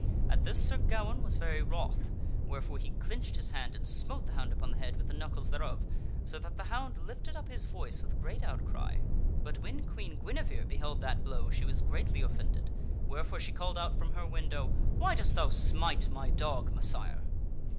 At this Sir Gawaine was very wroth, wherefore he clinched his hand and smote the hound upon the head with the knuckles thereof, so that the hound lifted up his voice with great outcry. But when Queen Guinevere beheld that blow she was greatly offended, wherefore she called out from her window, " Why dost thou smite my dog, Messire?"